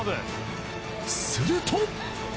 すると。